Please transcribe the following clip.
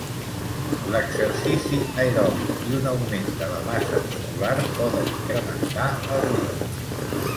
L'exercici aeròbic i un augment de la massa muscular poden incrementar el ritme.